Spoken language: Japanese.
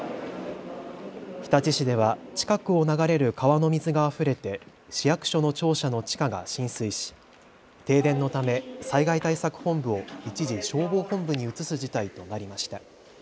日立市では近くを流れる川の水があふれて市役所の庁舎の地下が浸水し停電のため災害対策本部を一時、消防本部に移す事態となりました。